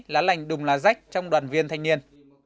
lá lành đùm lá rách trong đoàn viên thanh niên